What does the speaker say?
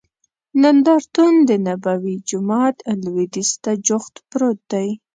نندارتون دنبوي جومات لوید یځ ته جوخت پروت دی.